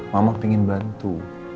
mama pengen bantu